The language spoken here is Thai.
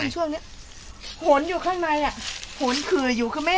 เจ๊อย่าออกไป